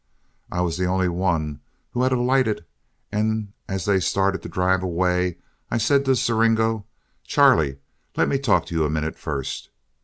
I was the only one who had alighted, and as they started to drive away, I said to Siringo: "Charley, let me talk to you a minute first.